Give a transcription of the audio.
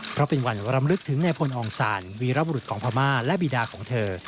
เพราะเป็นวันรำลึกถึงในพลองศาลวีรบุรุษของพม่าและบีดาของเธอ